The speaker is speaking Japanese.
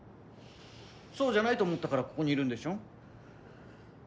そうじゃないと思ったからここにいるんでしょ？